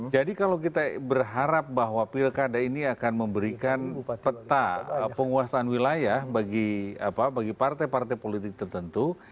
jadi kalau kita berharap bahwa pilkada ini akan memberikan peta penguasaan wilayah bagi partai partai politik tertentu